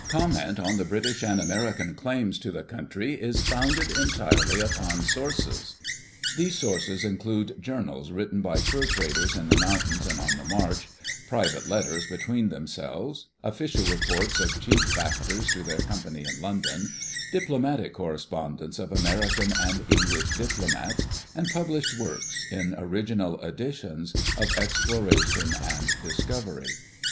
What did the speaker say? Comment on the British and Amer Digitized by Google PREFACE lean claims to the eountry is founded entirely upon sources. These sources include journals written by fur traders in the mountains and on the march, private letters between themselves, official reports of chief factors to their Company in London, diplomatic correspondence of American and English diplomats, and published works, in original editions, of exploration and discovery.